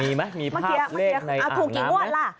มีไหมมีภาพเลขในอ่างน้ำ